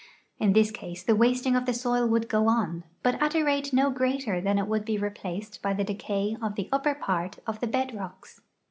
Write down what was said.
In this case the wasting of the soil would go on, hut at a rate no greater than it would he rej)laced hy the decay of the upper part of the hed rocks.